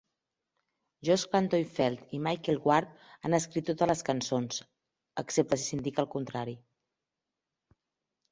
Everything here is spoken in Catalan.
Josh Clayton-Felt i Michael Ward han escrit totes les cançons, excepte si s'indica el contrari.